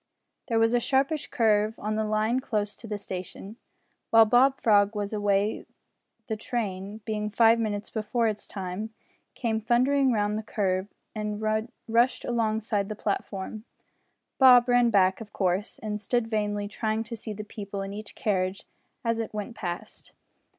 There was a sharpish curve on the line close to the station. While Bob Frog was away the train, being five minutes before its time, came thundering round the curve and rushed alongside the platform. Bob ran back of course and stood vainly trying to see the people in each carriage as it went past.